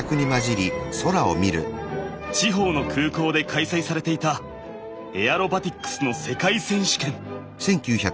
地方の空港で開催されていたエアロバティックスの世界選手権。